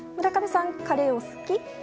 村上さん、カレーお好き？